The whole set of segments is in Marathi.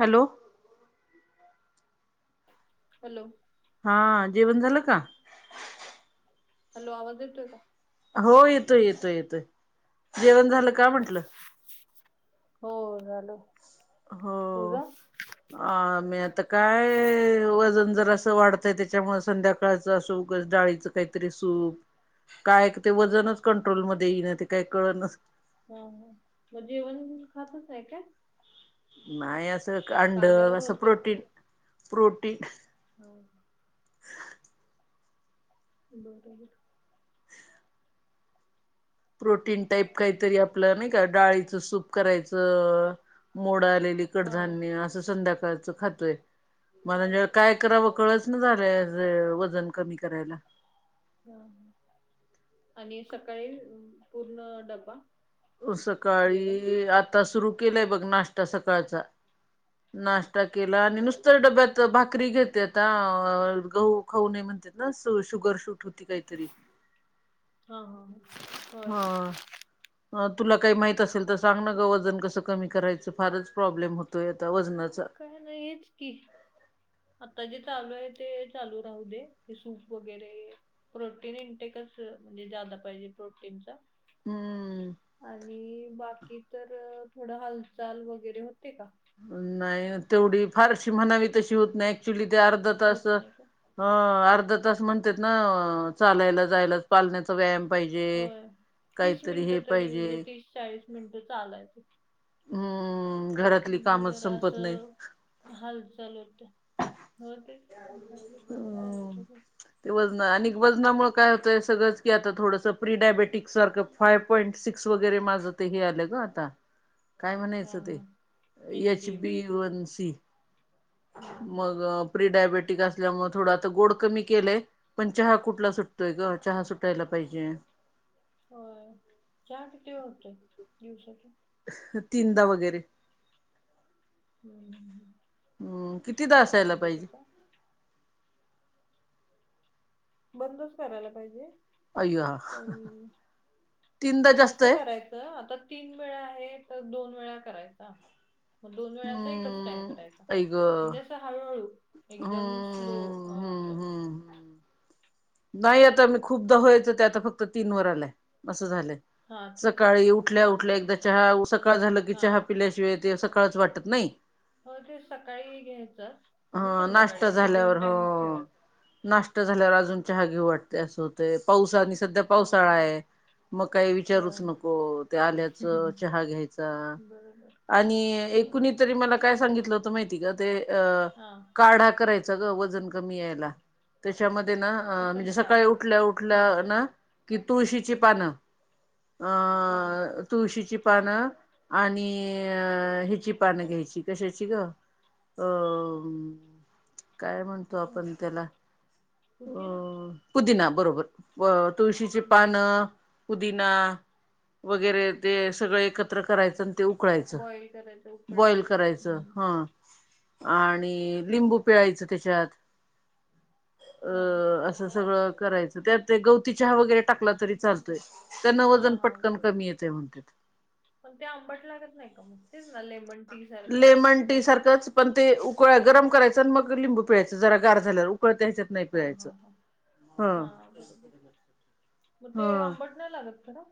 हॅलो. हॅलो. हा जेवण झालं का. हॅलो आवाज येतोय का. हो येतोय येतोय येतोय जेवण झालं का म्हटलं. हो झालं. हो. तुझं? अ मी आता काय वजन जरास वाढतंय त्याच्यामुळे संध्याका. सकाळचं अस उगच डाळीचं काहीतरी सूप. काय ते वजनच कंट्रोलमध्येध्ये येईन ते काय कळनाच. हा ह मग जेवण खातच आहे का. नाही असं अंड आल्यावर असं होते. Protein protein. हो. बरोबर. प्रोटीन टाईप काहीतरी आपलं नाही का डाळीचं सूप करायचं. मोड आलेली हा कडधान्य असं संध्याकाळच खातोय. मलाज काय करावं कळच ना झालंय वजन कमी करायला. हा आणि सकाळी पूर्ण डब्बा. सकाळी आता सुरू केलंय बघ नाश्ता सकाळचा. नाष्टा केला आणि हॅलो नुसतं डब्यात. भाकरी घेते आता गहू खाऊ नाही म्हणतात ना शुगर शूट होती काहीतरी. हां हां. हा. तुला काही माहित असेल तर सांग ना ग वजन कसं कमी करायचं फारच प्रॉब्लेम होतोय आता वजनाचा. काय नाही हेच की. आता जे चालू आहे ते चालू राहू दे ते सूप वगैरे. प्रोटीन इंटेकच म्हणजे जादा पाहिजे प्रोटीनचा. हम्. आणि बाकी तर थोडं हालचाल वगैरे होते का. नाही तेवढी फारशी म्हणावी तशी होत नाही ऍक्च्युली ते अर्धा तास. होत नाही हं अर्धा तास म्हणतेत ना चालायला जायलाच. चालण्याचा व्यायाम पाहिजे होय. तीस काहीतरी हे मिनिटं तरी म्हणजे पाहिजे. तीस चाळीस मिनिटं चालायच. हम्मम घरातली कामच जरा संपत नाही. असं हालचाल होतिया. हो ते घरातले काम करतो की. ते वजन अनीक वजनामुळ काय होतंय सगळंच की आता थोडंसं प्री डायबेटिक्स सारखं फाइव्ह पॉईंट सिक्स वगैरे माझं ते हे आलं ग आता. काय हा म्हणायचं हा ते एच बी वन सी हम्म मग प्रिडायबटिक अस ल्या मुळ थोडा आता गोड कमी केलंय पण चहा कुठला सुटतोय ग चहा सुटायला पाहिजे. होय चहा किती वेळा होतोय दिवसातून? तिनदा वगैरे. हम्म, हम्म कितीदा ठीक आय असायला म्हणजे पाहिजे तस. बंदच करायला पाहिजे. अय्यो हा पण, तीनदा जास्त असं आहे करायचं आता तीन वेळा आहे तर दोन वेळा करायचा. मग दोन वेळाचा एकच टाईम हम्म करायचा. आई ग म्हणजे आस हळूहळू एकदम स्लो हम्म अंस. न्हाय आता मी खूपदा व्हायचं ते आता फक्त तीन वर आलंय असं झालंय. ठीक आहे ना सकाळी मग उठल्या उठल्या हम्म. एकदा चहा सकाळ झालं की हा चहा पिल्याशिवाय ते सकाळच वाटत नाय. हो ते सकाळी घ्यायचं आणि हा संध्याकाळी अस दोन टाइमच ठेवा. नाष्टा झाल्यावर अजून चहा घीव वाटतय असं होतेय पावस आणि सध्या हा पावसाळा हा. आय. मग काही विचारूच होय नको ते आल्याचं चहा घ्यायचा. बरोबर आणि एक होय कूणी तरी मला काय सांगितलं होत माहिती आय का ते अ हा काढा कराय चा ग वजन कमी यायला त्याच्यामध्ये ना कशाच म्हणजे काढ सकाळी उठल्या हम्म. उठल्या ना कि तुळशीची पानं हा अं तुळशीची पानं आणि अ हिची पानं घ्यायची कशाची ग अ काय म्हणतो आपण त्याला पुदिना? अ पुदिना बरोबर तुळशीची पानं पुदिना वगैरे ते सगळ एकत्र करायचं ते उकळायचं बॉईल करायचं बॉइल उकडायचं का? करायचं हम्म. हां. आणि लिंबू पिळायचं त्याच्यात. हा अ- असं सगळं करायचं त्यात ते गवती चहा वगैरे टाकला तरी चाल तय त्यांन हा वजन हा पटकन बरोबर कमी येतय म्हणत्यात. पण ते आंबट लागत नाय का मग? तेच ना ले लेमन टी सारखंच पण ते उकळ गरम करायंच आणि मग लिंबू पिळायचं जरा गार झाल्यावर उकळत्याच्यात नाय हा पिळायचं हा हा हा. बरोबर मग ते आंबट नाय लागत खर?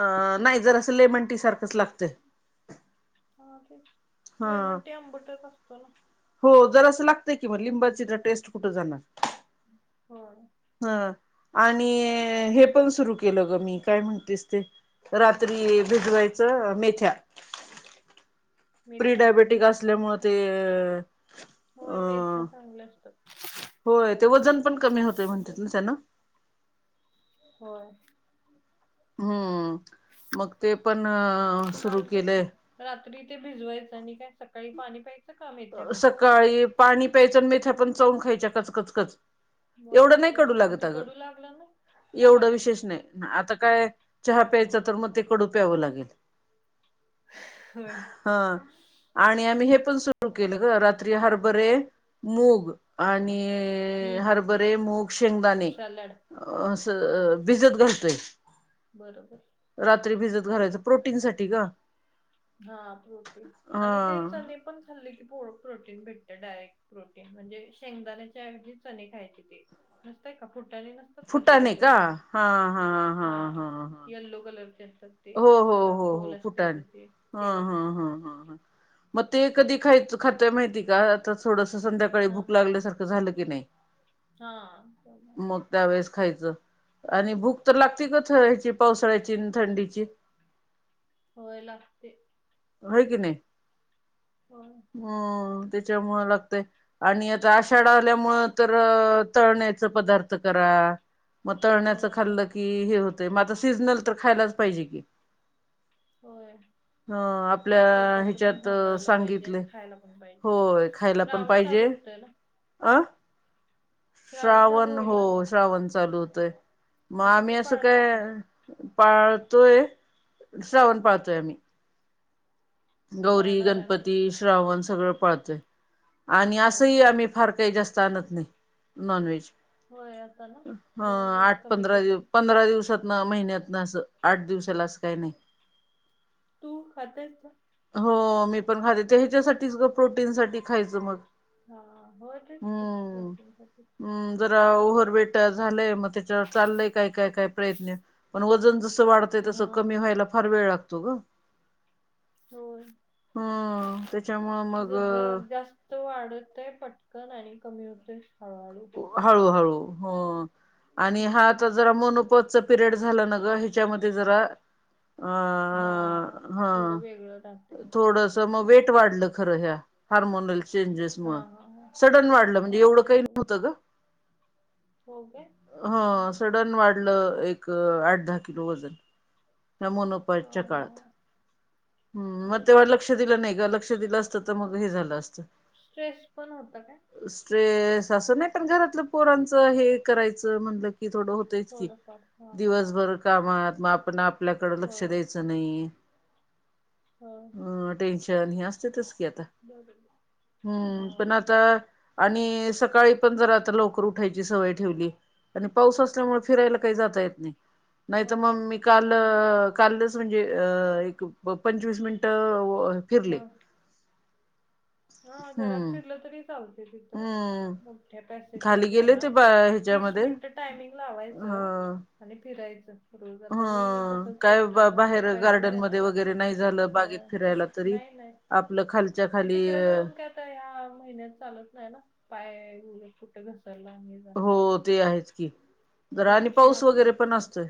अ न्हाय जरासं लेमन टी सारखंच लागतं. हा तेच हा लेमन टी आंबटच असतो ना. हो जरासं लागतय की मग लिंबाची ज टेस्ट कुठं जाणार. होय. हा आणि हे पण सुरु केलं ग मी काय म्हणतीस ते. रात्री भिजवायचं अ मेथ्या. मेथ्या प्रिडायबेटिक असल्यामुळ हा. ते अ चांगलं असतात. होय ते वजन पण कमी होतयं डायबिटीज म्हणतात ना त्यान. होय. हम्म, मग ते पण सुरु चालतय की केलंय. रात्री ते भिजवायचं आणि काय सकाळी पाणी प्यायचं का, मेथ्याच काळी पाणी प्यायचं मेथ्या पण चावून खायच्या कचकचकच. एवढं नाही बापरे कडू मग लागत ते अग, कडू लागलं ना नाही एवढं लागत विशेष नाही. आता काय चहा हा प्यायचं तर मग ते कडू प्यावं लागेल. होय ह, आणि आम्ही हे पण सुरु केलग, रात्री हरभरे मूग आणि हम्म ते हम्म हरभरे, मूग, शेंगदाणे, सॅलड अस हा भिजत घालतोय. बरोबर. रात्री भिजत घालायचं, प्रोटीन साठी ग. हा, प्रोटिन हा आणि ते चने पण. हल्ली प्रो प्रोटीन भेटत डायरेक्ट, प्रोटीन म्हणजे शेंगदाण्याच्या ऐवजी चने खायचे ते. नसतय का फुटाणे नसतंय अस का, ते फुटाणे यल्लो का हा हा हा हा येल्लो कलरचे असतात. तेच हो हो त्याला हो हो फोल असते फुटाणे बघ ते. हा, तेवाले हा, हा, ह, ह मग ते कधी खायच खातोय माहिती का तस थोडस संध्याकाळी, हा भूक लागल्यासारखं झालं की नाही हा त्यामुळं मग त्यावेेळेस खायचं, आणि भूक तर लागती ग ह्याची पावसाळ्याची आणि थंडीची. होय लागते. होय की नाही. होय. ह, त्याच्यामुळ लागतंय. आणि आता आषाढ आल्यामुळं, तर तळण्याच पदार्थ करा. मग तळण्याचं होय खाल्लं की हे होतंय मग, आता सीजनल तर खायलाच पाहिजे की. होय. ह आपल्या पोटाच पण ह्याच्यात सांभाळायला पाहिजे, आणि सांगितले खायला पण पाहिजे. होय खायला पण श्रावण पाहिजे चालू त्याला. अ चालू श्रावण होईल हो ना आता श्रावण चालू होतोय. मग आम्ही असं काय पाळतोय. श्रावण पाळतोय आम्ही. गौरी पाळणार आहे ना गणपती श्रावण सगळं पाळतोय. आणि होय असंही होय आम्ही फार काही जास्त चालत नाही नॉन व्हेज. होय आता ना ह बरं जरा आठ, कमी पंधरा दिवस, केलं पंधरा दिवसात महिन्यातन असं आठ दिवसाला असं काही नाही. तू खातेस का. हो मी पण खाते. ते ह्याच्यासाठीच ग प्रोटीनसाठी खायचं मग. हा, होय तेचकी प्रोटीन साठी मग. अं जरा ओव्हरवेट झालंय मग त्याच्यावर चाललंय, काय काय काय प्रयत्न. पण वजन जसं वाढतं हा तसं. कमी व्हायला फार वेळ लागतो ग. होयं. हं, त्याच्यामुळ ग. तो वाढत आहे पटकन आणि कमी होतय. हळूहळू असं आहे. हळू हळू हो, आणि हा आता हम्म जरा मोनोपोझच. पिरियड झालं न गं ह्याच्यामध्ये जरा अ हा हा थोडं वेगळं राहते. थोडस मग वेट वाढलं खरं जास्त हार्मोनल चेंजेस हा मुळं हा हा सडन वाढलं. हा म्हणजे एवढं काही बरोबर होत गं हो काय [inaudible] हो आसं जन पण वाढलं, एक आठ, दहा किलो वजन. हा मोनोकाईटच्या हा काळात. [inaudible] मग बरोबर तेव्हा लक्ष लक्ष दिलं नाही गं. लक्ष दिलं असतं तर मग हे झालं असतं. स्ट्रेस पण होत काय? स्ट्रेस असं नाही, पण घरातलं पोरांचं हे करायचं म्हणलं की थोडं होत होते च की. थोडंफार हा [inaudible] हा दिवसभर कामात, मग आपण आपल्याकडं लक्ष होय द्यायचं नाही. होय अहं टेन्शन हे असते तस की आता. बरोबर [inaudible] हम्म हा पण आता आणि सकाळी पण जरा आता लवकर उठायची सवय ठेवली. आणि पाऊस असल्यामुळे फिरायला काही जाता येत नाही. नाहीतर मग होय मी काल नाही अ कालच म्हणजे एक पंचवीस मिनिट हम्म. हा घरात हम्म फिरलं तरी चालत तिथं हम्म. मोठ्या पॅसेज खाली मध्ये गेले ना, ते बा तीस ह्याच्यामध्ये मिनिटं टायमिंग लावायचं आणि फिरायचं. रोज आता मी हम. तसच काय करतोय बा मग आमचा बाहेर पॅसेज आहे ना गार्डनमध्ये वगैरे नाही झालं होय बागेत फिरायला तरी नाही नाही आपलं खालच्या ते खाली तिकडे जाऊन काय आता या महिन्यात चालत नाही ना. पाय बिय कुठे घसरला आणि हे हो ते आहेच की. जरा आणि त्यापेक्षा पाऊस आपला वगैरे पण असतोय.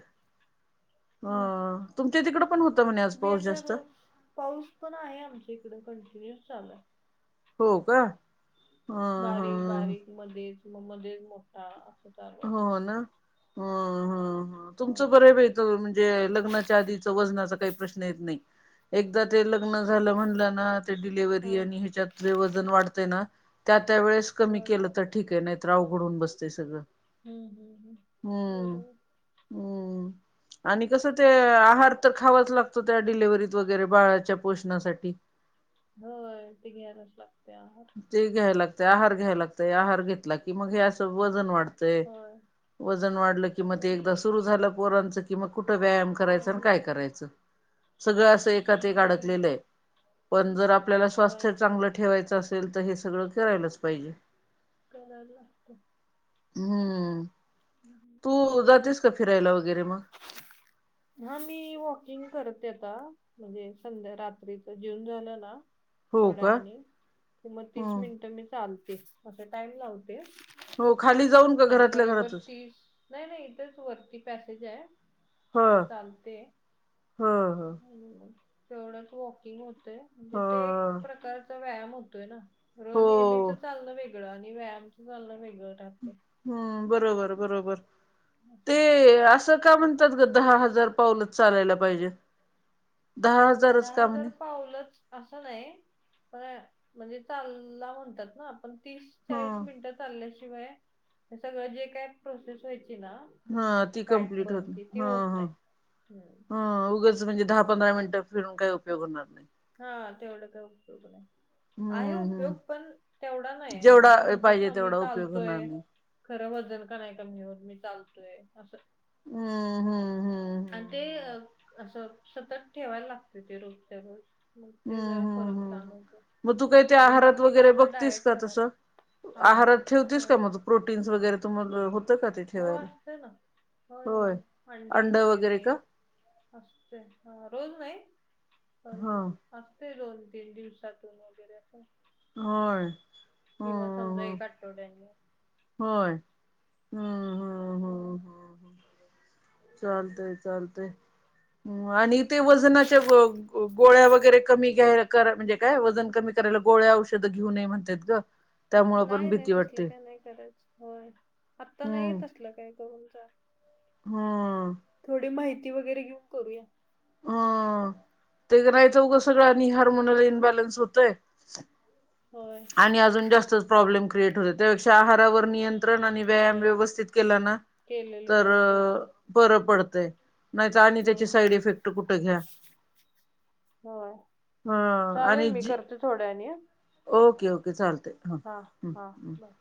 [inaudible] आ- अ तुमच्या तिकड पण होत मी आता रोज, पाऊस पण आहे आमच्या इकडं कंटिन्यू चालू आहे. हो का. ह बारीक, ह बारीक मध्येच म मध्येच मोठा असं चालत हो ना. हं हं हं होय. तुमचं बरंय बाई. अ लग्नाच्या आधीच वजनाचा काही प्रश्न येत नाही. एकदा ते लग्न झालं म्हणलं ना हा डिलीव्हरी अन याच्यात लय वजन वाढतंय ना, त्या त्या वेळेस कमी हो ना केल तर ठीके. नाहीतर अवघड होऊन बसतेय सगळं. हम्म हम्म हम्म. हा बरोबर. हम्म. आणि कसं ते आहार तर खावाच लागतं, त्या डिलेवरीत वगैरे बाळाच्या पोषणासाठी. होय. ते घ्यायलाच लागतेया आह ते घ्यायला लागतय, आहार घ्यायला लागतय, आहार घेतला कि मग हे असं वजन वाढतंय. होय वजन वाढलं किं मग ते होय एकदा सुरु झालं पोरांच किं कुठे व्यायाम करायच, अन चालेल काय करायचं, सगळं असं एकात एक हम्म, बरोबर अडकलेलंय. पण जर आपल्याला होय स्वास्थ्य चांगलं ठेवायचं असेल, तर हे सगळं करायलाच पाहिजे. करायला लागत. हम्म. तू जातेस का फिरायला वगैरे मग? हा मी वॉकिंग करते आता. म्हणजे, संध्या रात्रीच जेऊन झालं ना. हो थोड्या का आणि कि मग तीस हम्म मिनिटं मी चालते असा टाइम लावते. हो खाली जाऊन का आणि घरातल्या बरोबर घरातच तीस नाही नाही इथेच वरती पॅसेज आहे तिथं चालते. होहोहो तेवढंच वॉकिंग होतय म्हणजे ह ते एक प्रकारचा व्यायाम होतोय ना! हो नेहमीच चालण वेगळं आणि व्यायामच चालण वेगळं राहते. हम्! बरोबर बरोबर ते असं का म्हणतात ग दहा हजार बरोबर पावलं चालायला पाहिजे. दहा हजार दहा हजार पावलंच असं नाही पण म्हणजे चालला म्हणतात ना आपण तीस ह चाळीस मिनट. चालल्याशिवाय हे सगळं जे काय प्रोसेस व्हायची ना. हा ती फॅट कम्प्लीट होती, बर्नची ती हा होत नाही हा हम्म. हा उगच. म्हणजे दहा पंधरा मिनटं फिरून काही उपयोग होणार नाही. हा तेवढं काही उपयोग नाही. आहे हम्म हम्म उपयोग पण तेवढा नाही जेवढा म्हणजे म्हणतात पाहिजे ना मी तेवढा उपयोग होणार चालतोय. नाही खरं वजन का कमी होत नाही मी चालतोय असं! हम्म हम्म हम्म आणि हम्म ते असं सतत ठेवायला लागते ते रोजच्यारोज. हम्म हम्म हम्मम, मग तू काही ते आणि आहारात बाकीने वगैरे आपलं बघतीस डाएट का करायला तसं? आहार आहारात ठेवतीस होय का मग तू प्रोटीन्स वगैरे तु हो असत ना होय होय अंडी अंड वगैरे का असते, हा रोज ह नाही असते दोन तीन दिवसातून वगैरे असं. होय. किंवा समजा ह एक आठवड्यानी होय, हम्म हम्म हो हम्म हम्म चालतय चालतय आणि ते वजनाच्या गोळ्या गोळ्या वगैरे कमी घ्यायला करा म्हणजे काय वजन कमी करायला गोळ्या औषधं घेऊ नये म्हणतात ग. त्यामुळे पण नाही नाही भीती तसलं वाटते काही नाही करायच होय आत्ता नाही हम्म तसलं काय करून चालत. हम्म थोडी माहिती वगैरे घेऊन करूया. हम् ते का नाही च का सगळं आणि हार्मोनाला इन्बॅलन्स होतय. होय. आणि अजून जास्तच प्रॉब्लेम क्रिएट होत त्यापेक्षा आहारावर नियंत्रण आहार आणि व्यायाम होय व्यवस्थित केला ना केलेलं तर बरं पडतं परर पडतय नाहीतर आणि त्याची होय साईड इफेक्ट. कुठ घ्या हा आणि जी थोड्यावेळानी ओके ओके चालतय. हा हा बाय!